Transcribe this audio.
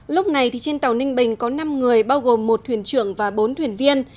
lúc này trên tàu ninh bình có năm người bao gồm một thuyền trưởng và bốn thuyền viên